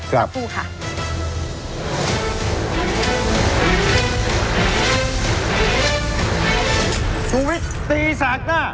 สักผู้ค่ะ